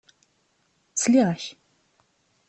Sliɣ-ak.